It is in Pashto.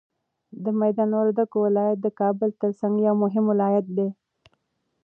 د میدان وردګو ولایت د کابل تر څنګ یو مهم ولایت دی.